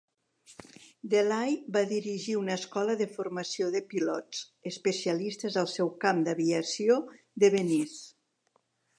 DeLay va dirigir una escola de formació de pilots especialistes al seu camp d'aviació de Venice.